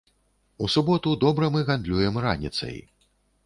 У суботу добра мы гандлюем раніцай.